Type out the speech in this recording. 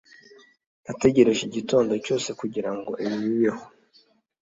nategereje igitondo cyose kugirango ibi bibeho